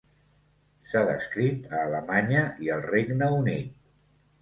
S'ha descrit a Alemanya i al Regne Unit.